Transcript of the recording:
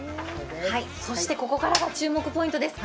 そしてここからが注目ポイントです。